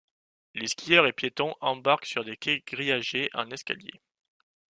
Les skieurs et piétons embarquent sur des quais grillagés en escalier.